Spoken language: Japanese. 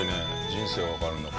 人生がわかるんだ。